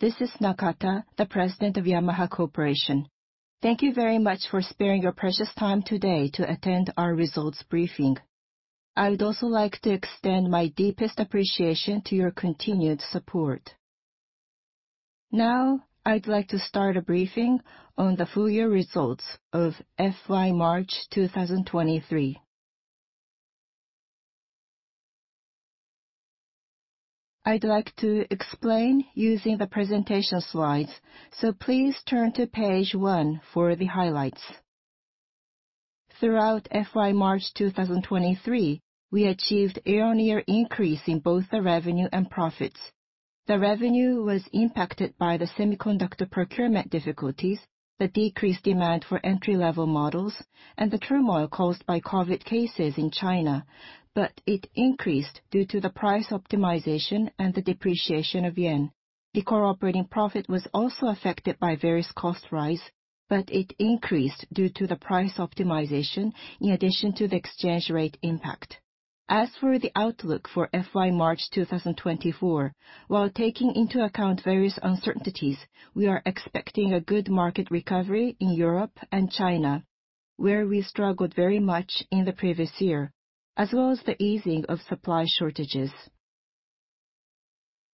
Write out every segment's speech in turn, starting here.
This is Nakata, the President of Yamaha Corporation. Thank you very much for sparing your precious time today to attend our results briefing. I would also like to extend my deepest appreciation to your continued support. I'd like to start a briefing on the full year results of FY March 2023. I'd like to explain using the presentation slides, please turn to page one for the highlights. Throughout FY March 2023, we achieved year-on-year increase in both the revenue and profits. The revenue was impacted by the semiconductor procurement difficulties, the decreased demand for entry-level models, and the turmoil caused by COVID cases in China. It increased due to the price optimization and the depreciation of yen. The core operating profit was also affected by various cost rise, it increased due to the price optimization, in addition to the exchange rate impact. As for the outlook for FY March 2024, while taking into account various uncertainties, we are expecting a good market recovery in Europe and China, where we struggled very much in the previous year, as well as the easing of supply shortages.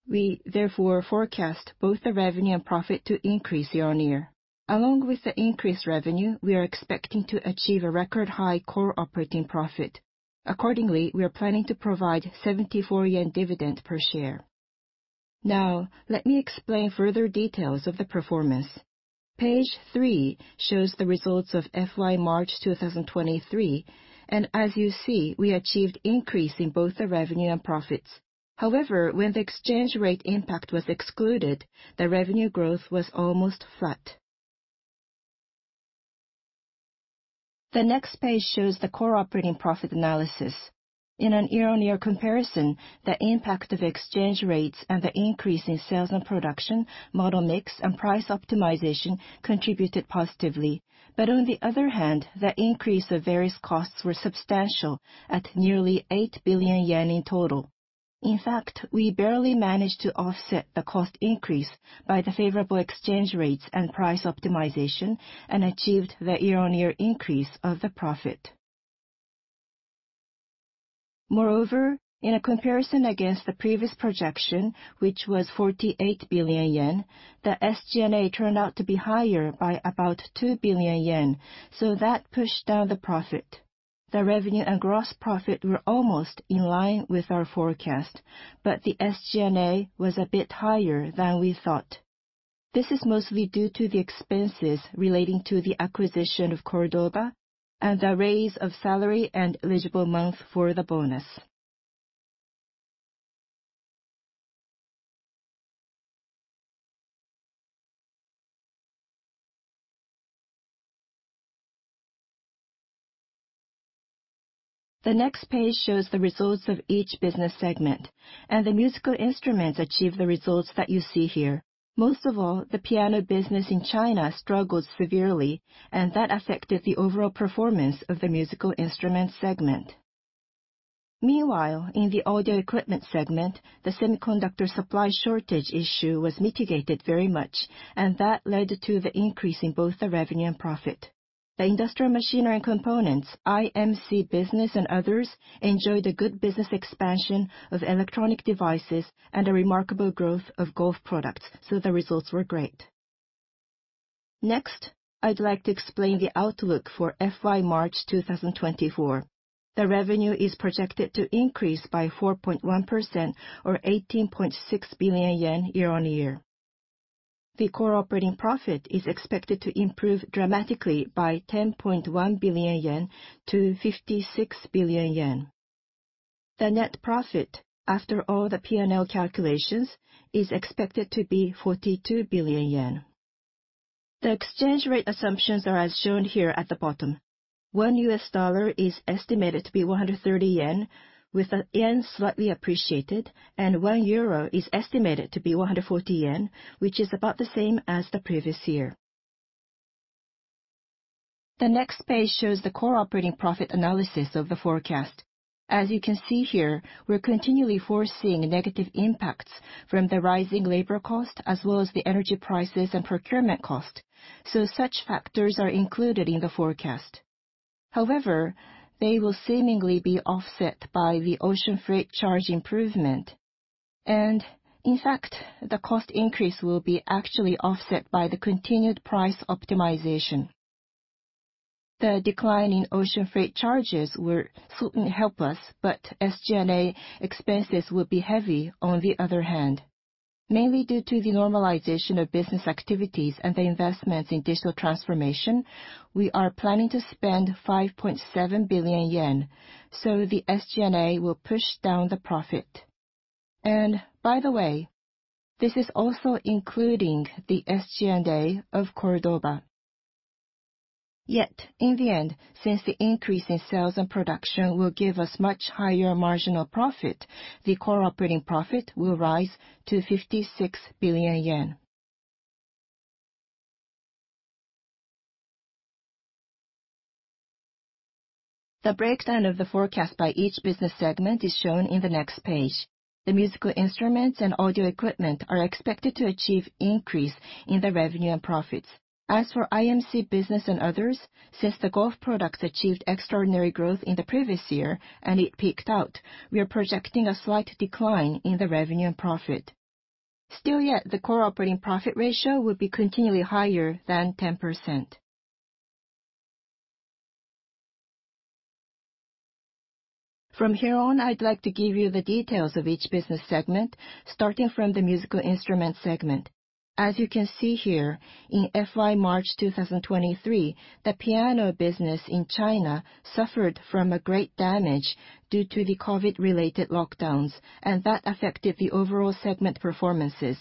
We therefore forecast both the revenue and profit to increase year-on-year. Along with the increased revenue, we are expecting to achieve a record high core operating profit. Accordingly, we are planning to provide 74 yen dividend per share. Now, let me explain further details of the performance. Page three shows the results of FY March 2023, As you see, we achieved increase in both the revenue and profits. However, when the exchange rate impact was excluded, the revenue growth was almost flat. The next page shows the core operating profit analysis. In a year-on-year comparison, the impact of exchange rates and the increase in sales and production, model mix, and price optimization contributed positively. On the other hand, the increase of various costs were substantial at nearly 8 billion yen in total. In fact, we barely managed to offset the cost increase by the favorable exchange rates and price optimization, and achieved the year-on-year increase of the profit. Moreover, in a comparison against the previous projection, which was 48 billion yen, the SG&A turned out to be higher by about 2 billion yen. That pushed down the profit. The revenue and gross profit were almost in line with our forecast. The SG&A was a bit higher than we thought. This is mostly due to the expenses relating to the acquisition of Cordoba and the raise of salary and eligible month for the bonus. The next page shows the results of each business segment. The musical instruments achieve the results that you see here. Most of all, the piano business in China struggled severely. That affected the overall performance of the musical instruments segment. Meanwhile, in the audio equipment segment, the semiconductor supply shortage issue was mitigated very much. That led to the increase in both the revenue and profit. The industrial machinery and components, IMC business and others, enjoyed a good business expansion of electronic devices and a remarkable growth of golf products. The results were great. Next, I'd like to explain the outlook for FY March 2024. The revenue is projected to increase by 4.1% or 18.6 billion yen year-on-year. The core operating profit is expected to improve dramatically by 10.1 billion yen to 56 billion yen. The net profit, after all the P&L calculations, is expected to be 42 billion yen. The exchange rate assumptions are as shown here at the bottom. One US dollar is estimated to be 130 yen, with the yen slightly appreciated, and one euro is estimated to be 140 yen, which is about the same as the previous year. The next page shows the core operating profit analysis of the forecast. As you can see here, we're continually foreseeing negative impacts from the rising labor cost as well as the energy prices and procurement cost. Such factors are included in the forecast. However, they will seemingly be offset by the ocean freight charge improvement. In fact, the cost increase will be actually offset by the continued price optimization. The decline in ocean freight charges were certainly helpless. SG&A expenses will be heavy on the other hand. Mainly due to the normalization of business activities and the investments in digital transformation, we are planning to spend 5.7 billion yen, so the SG&A will push down the profit. By the way, this is also including the SG&A of Cordoba. In the end, since the increase in sales and production will give us much higher marginal profit, the core operating profit will rise to 56 billion yen. The breakdown of the forecast by each business segment is shown in the next page. The musical instruments and audio equipment are expected to achieve increase in the revenue and profits. As for IMC business and others, since the golf products achieved extraordinary growth in the previous year and it peaked out, we are projecting a slight decline in the revenue and profit. Still yet, the core operating profit ratio will be continually higher than 10%. From here on, I'd like to give you the details of each business segment, starting from the musical instrument segment. As you can see here, in FY March 2023, the piano business in China suffered from a great damage due to the COVID-related lockdowns, and that affected the overall segment performances.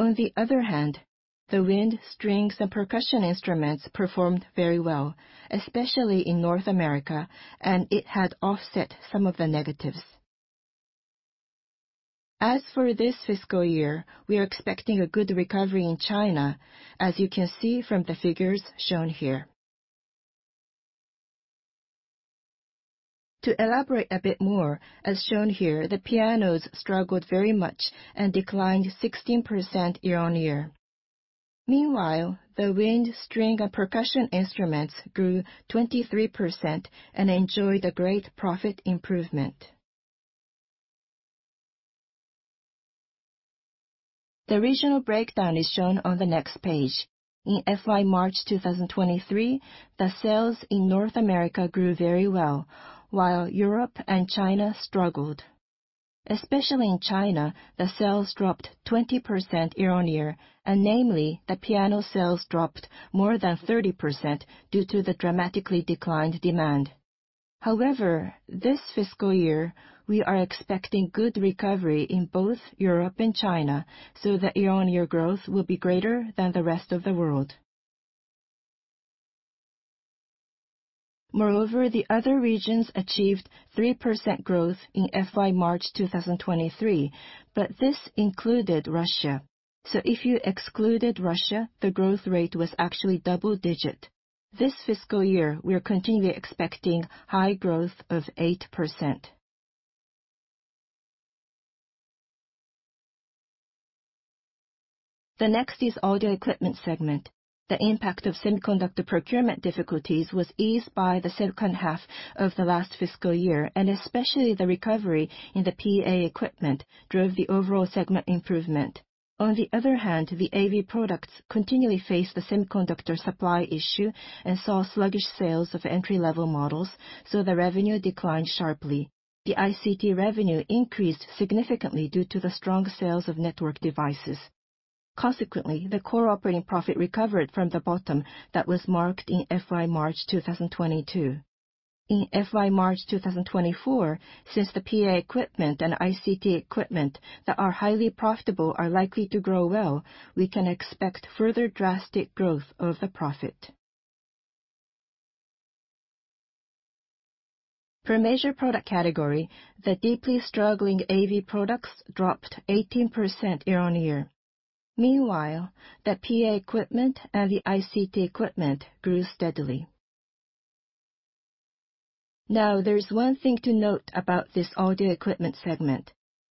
On the other hand, the wind, strings, and percussion instruments performed very well, especially in North America, and it had offset some of the negatives. As for this fiscal year, we are expecting a good recovery in China, as you can see from the figures shown here. To elaborate a bit more, as shown here, the pianos struggled very much and declined 16% year-on-year. Meanwhile, the wind, string, and percussion instruments grew 23% and enjoyed a great profit improvement. The regional breakdown is shown on the next page. In FY March 2023, the sales in North America grew very well while Europe and China struggled. Especially in China, the sales dropped 20% year-on-year, and namely, the piano sales dropped more than 30% due to the dramatically declined demand. However, this fiscal year, we are expecting good recovery in both Europe and China, so the year-on-year growth will be greater than the rest of the world. Moreover, the other regions achieved 3% growth in FY March 2023, but this included Russia. If you excluded Russia, the growth rate was actually double digit. This fiscal year, we are continually expecting high growth of 8%. Next is audio equipment segment. Impact of semiconductor procurement difficulties was eased by the second half of the last fiscal year, especially the recovery in the PA equipment drove the overall segment improvement. The AV products continually faced the semiconductor supply issue and saw sluggish sales of entry-level models, the revenue declined sharply. The ICT revenue increased significantly due to the strong sales of network devices. The core operating profit recovered from the bottom that was marked in FY March 2022. In FY March 2024, since the PA equipment and ICT equipment that are highly profitable are likely to grow well, we can expect further drastic growth of the profit. Per major product category, the deeply struggling AV products dropped 18% year-on-year. Meanwhile, the PA equipment and the ICT equipment grew steadily. There's one thing to note about this audio equipment segment.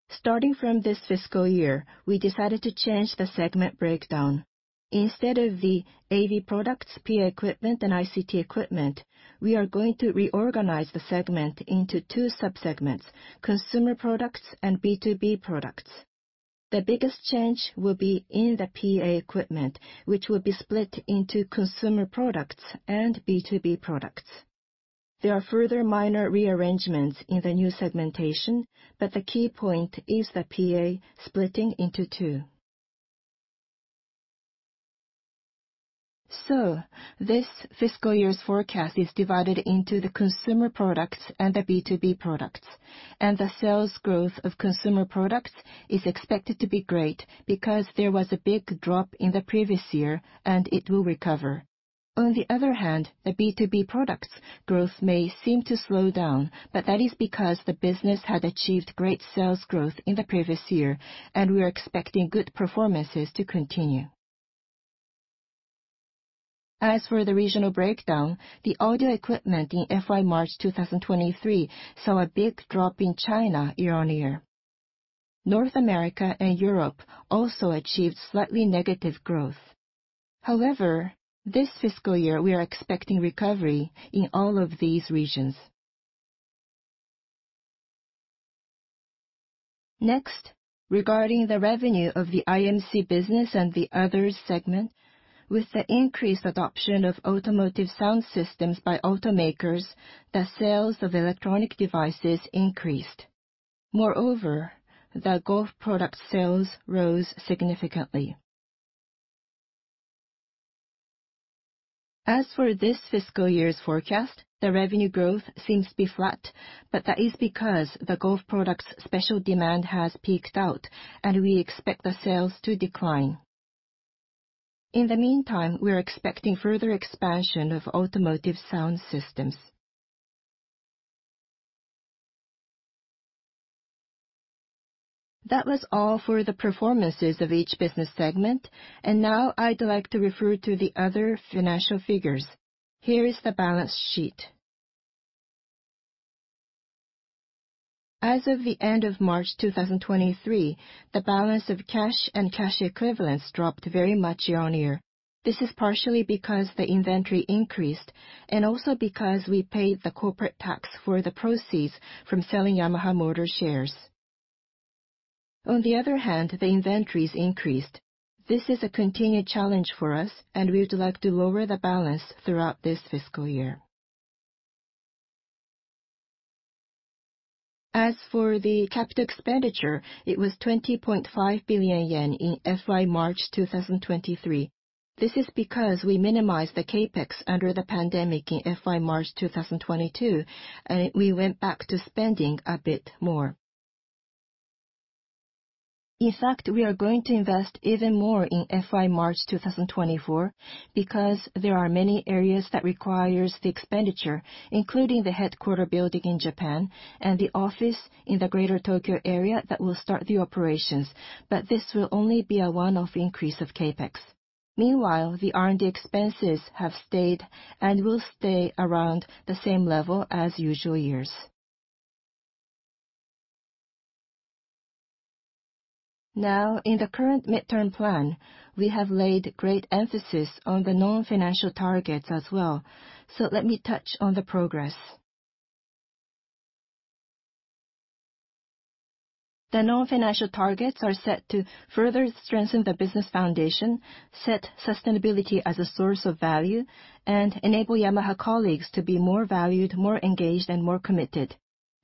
Starting from this fiscal year, we decided to change the segment breakdown. Instead of the AV products, PA equipment, and ICT equipment, we are going to reorganize the segment into two sub-segments: consumer products and B2B products. The biggest change will be in the PA equipment, which will be split into consumer products and B2B products. There are further minor rearrangements in the new segmentation, the key point is the PA splitting into two. This fiscal year's forecast is divided into the consumer products and the B2B products. The sales growth of consumer products is expected to be great because there was a big drop in the previous year, and it will recover. The B2B products growth may seem to slow down, but that is because the business had achieved great sales growth in the previous year, and we are expecting good performances to continue. As for the regional breakdown, the audio equipment in FY March 2023 saw a big drop in China year-on-year. North America and Europe also achieved slightly negative growth. This fiscal year, we are expecting recovery in all of these regions. Regarding the revenue of the IMC business and the others segment, with the increased adoption of automotive sound systems by automakers, the sales of electronic devices increased. The golf product sales rose significantly. As for this fiscal year's forecast, the revenue growth seems to be flat, but that is because the golf product's special demand has peaked out, and we expect the sales to decline. In the meantime, we are expecting further expansion of automotive sound systems. That was all for the performances of each business segment. Now I'd like to refer to the other financial figures. Here is the balance sheet. As of the end of March 2023, the balance of cash and cash equivalents dropped very much year-on-year. This is partially because the inventory increased, and also because we paid the corporate tax for the proceeds from selling Yamaha Motor shares. On the other hand, the inventories increased. This is a continued challenge for us, and we would like to lower the balance throughout this fiscal year. As for the capital expenditure, it was 20.5 billion yen in FY March 2023. This is because we minimized the CapEx under the pandemic in FY March 2022, and we went back to spending a bit more. In fact, we are going to invest even more in FY March 2024 because there are many areas that requires the expenditure, including the headquarter building in Japan and the office in the Greater Tokyo area that will start the operations, but this will only be a one-off increase of CapEx. Meanwhile, the R&D expenses have stayed and will stay around the same level as usual years. In the current midterm plan, we have laid great emphasis on the non-financial targets as well. Let me touch on the progress. The non-financial targets are set to further strengthen the business foundation, set sustainability as a source of value, and enable Yamaha colleagues to be more valued, more engaged, and more committed.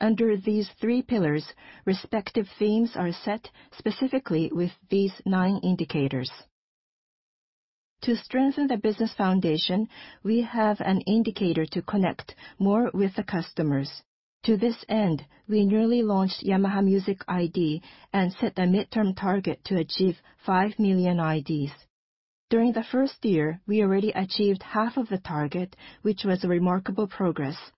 Under these three pillars, respective themes are set specifically with these nine indicators. To strengthen the business foundation, we have an indicator to connect more with the customers. To this end, we nearly launched Yamaha Music ID and set a midterm target to achieve five million IDs. During the first year, we already achieved half of the target, which was a remarkable progress.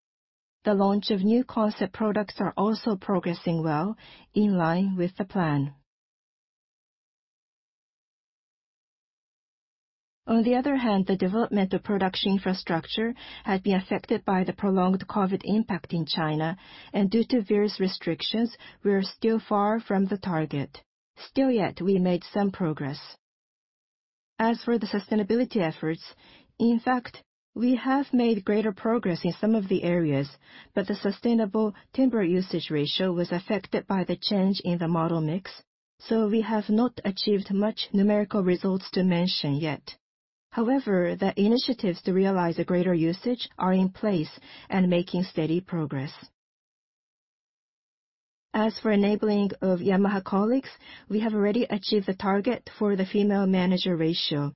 The launch of new concept products are also progressing well in line with the plan. On the other hand, the development of production infrastructure had been affected by the prolonged COVID impact in China. Due to various restrictions, we are still far from the target. Still, yet, we made some progress. As for the sustainability efforts, in fact, we have made greater progress in some of the areas, but the sustainable timber usage ratio was affected by the change in the model mix, so we have not achieved much numerical results to mention yet. The initiatives to realize a greater usage are in place and making steady progress. As for enabling of Yamaha colleagues, we have already achieved the target for the female manager ratio.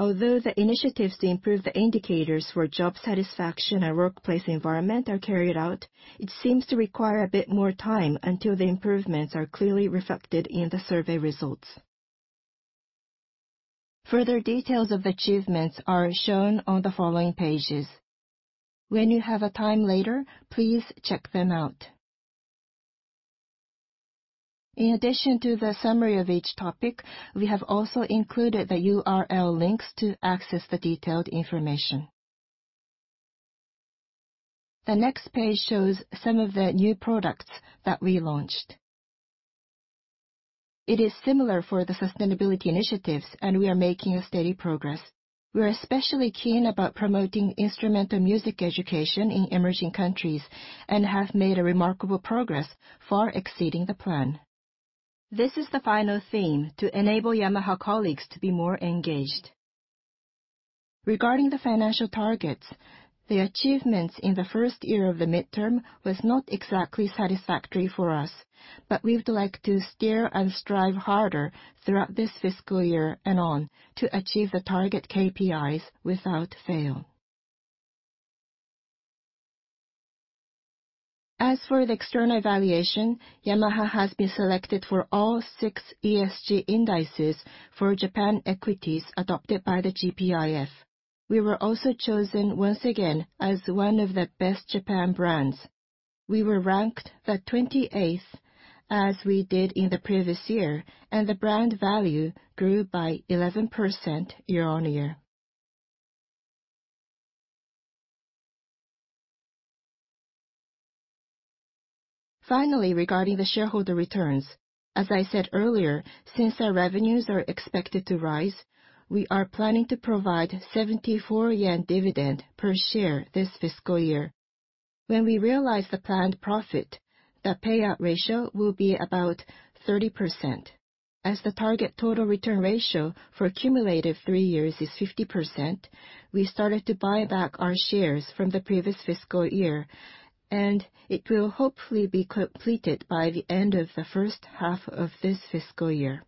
Although the initiatives to improve the indicators for job satisfaction and workplace environment are carried out, it seems to require a bit more time until the improvements are clearly reflected in the survey results. Further details of achievements are shown on the following pages. When you have a time later, please check them out. In addition to the summary of each topic, we have also included the URL links to access the detailed information. The next page shows some of the new products that we launched. It is similar for the sustainability initiatives, we are making a steady progress. We are especially keen about promoting instrumental music education in emerging countries and have made a remarkable progress far exceeding the plan. This is the final theme to enable Yamaha colleagues to be more engaged. Regarding the financial targets, the achievements in the first year of the midterm was not exactly satisfactory for us, but we would like to steer and strive harder throughout this fiscal year and on to achieve the target KPIs without fail. As for the external evaluation, Yamaha has been selected for all six ESG indices for Japan equities adopted by the GPIF. We were also chosen once again as one of the Best Japan Brands. We were ranked the 28th as we did in the previous year, and the brand value grew by 11% year-on-year. Finally, regarding the shareholder returns, as I said earlier, since our revenues are expected to rise, we are planning to provide 74 yen dividend per share this fiscal year. When we realize the planned profit, the payout ratio will be about 30%. As the target total return ratio for cumulative three years is 50%, we started to buy back our shares from the previous fiscal year, and it will hopefully be completed by the end of the first half of this fiscal year.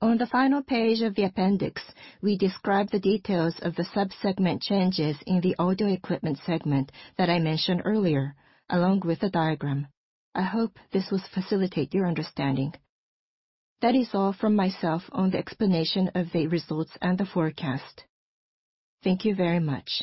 On the final page of the appendix, we describe the details of the sub-segment changes in the audio equipment segment that I mentioned earlier, along with a diagram. I hope this will facilitate your understanding. That is all from myself on the explanation of the results and the forecast. Thank you very much.